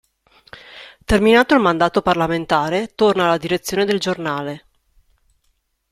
Terminato il mandato parlamentare torna alla direzione del giornale.